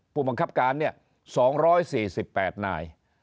ผู้บังคับการเนี่ย๒๔๘นาย